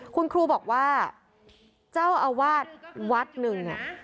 คุณครูบอกว่าเจ้าอาวาสวัดหนึ่ง